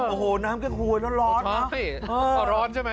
โอ้โหน้ำแก้งคู่ไอ้ร้อนเหรอใช่มั้ยกินร้อนใช่มั้ย